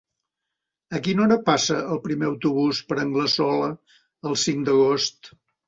A quina hora passa el primer autobús per Anglesola el cinc d'agost?